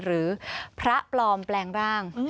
หรือพระปลอมแปลงร่าง